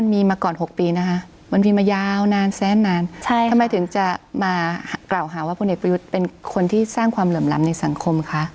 มากล่าวหาว่าผู้เอกประยุทธ์เป็นคนที่สร้างความเหลื่อมล้ำในสังคมคะ